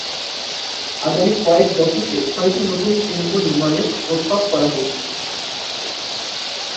আগামী কয়েক দশকে ছয়টি নতুন কেন্দ্র নির্মাণের প্রস্তাব করা হয়েছে।